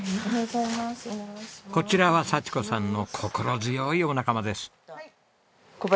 こちらは幸子さんの心強いお仲間です。